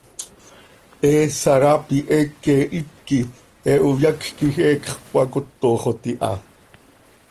He saraapi heeque hipquih he hoyacj quij heecx cöcacótoxot iha.